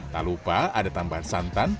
tak lupa ada tambahan santan